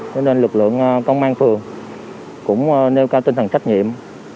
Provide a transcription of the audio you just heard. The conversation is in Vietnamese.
cho nên lực lượng công an phường cũng nêu cao tinh thần trách nhiệm